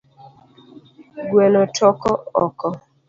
Gueno toko oko